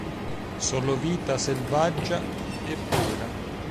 Solo vita selvaggia e pura.